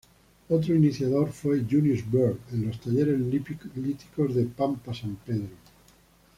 Otro iniciador fue Junius Bird, en los talleres líticos de Pampa San Pedro.